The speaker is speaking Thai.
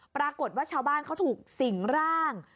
ปรากฏว่าชาวบ้านเขาถูกสิงร่าง